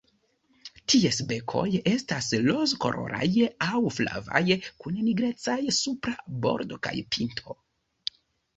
Ties bekoj estas rozkoloraj aŭ flavaj kun nigrecaj supra bordo kaj pinto.